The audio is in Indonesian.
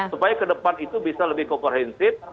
supaya ke depan itu bisa lebih komprehensif